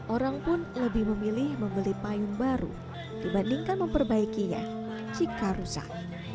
orang pun lebih memilih membeli payung baru dibandingkan memperbaikinya jika rusak